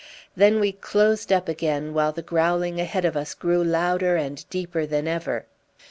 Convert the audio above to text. Then we closed up again, while the growling ahead of us grew louder and deeper than ever.